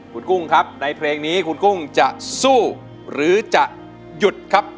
คุณกุ้งครับในเพลงนี้คุณกุ้งจะสู้หรือจะหยุดครับ